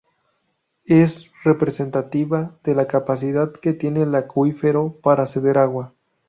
Es representativa de la capacidad que tiene el acuífero para ceder agua.